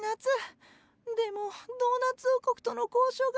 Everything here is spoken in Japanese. でもドーナツ王国との交渉が難航してて。